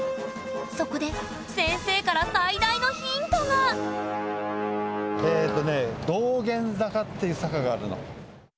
そこで先生から最大のヒントがっていう坂があるの。